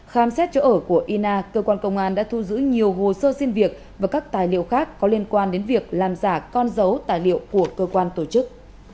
khám xét chỗ ở của ina cơ quan công an đã thu giữ nhiều hồ sơ xin việc và các tài liệu khác có liên quan đến việc làm giả con dấu tài liệu của cơ quan tổ chức